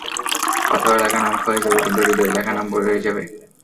পাথরে লেখা নাম ক্ষয়ে যাবে, কিন্তু হৃদয়ে লেখা নাম রয়ে যাবে।